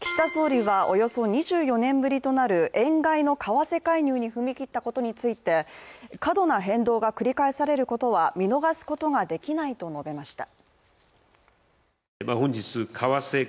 岸田総理はおよそ２４年ぶりとなる円買いの為替介入に踏み切ったことについて、過度な変動が繰り返されることは見逃すことができないと述べました。